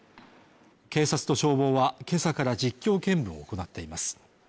警察と消防は今朝から実況見分を行っています